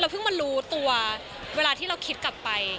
เพิ่งมารู้ตัวเวลาที่เราคิดกลับไป